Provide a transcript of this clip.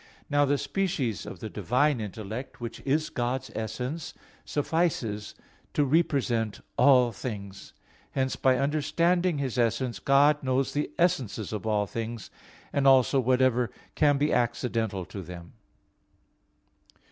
Now the species of the divine intellect, which is God's essence, suffices to represent all things. Hence by understanding His essence, God knows the essences of all things, and also whatever can be accidental to them.